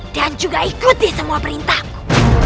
dan juga ikuti semua perintahku